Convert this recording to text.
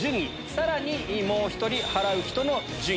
さらにもう１人払う人の順位。